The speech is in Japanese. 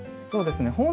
そうですね